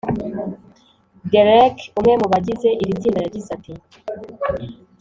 Derek umwe mu bagize iri tsinda yagize ati